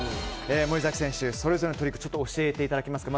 森崎選手、それぞれのトリック教えていただけますか。